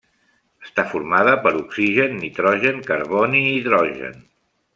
Està formada per oxigen, nitrogen, carboni i hidrogen.